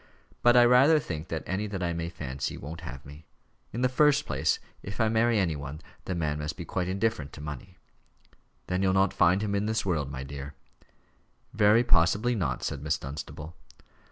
But I rather think that any that I may fancy won't have me. In the first place, if I marry any one, the man must be quite indifferent to money." "Then you'll not find him in this world, my dear." "Very possibly not," said Miss Dunstable.